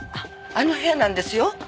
あの部屋なんですよ。